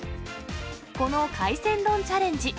この海鮮丼チャレンジ。